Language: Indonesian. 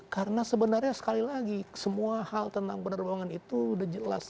karena sebenarnya sekali lagi semua hal tentang penerbangan itu sudah jelas